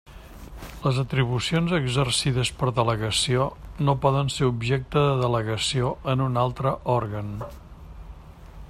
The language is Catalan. Les atribucions exercides per delegació no poden ser objecte de delegació en un altre òrgan.